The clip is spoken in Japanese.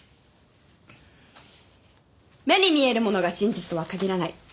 目に見えるものが真実とは限らない。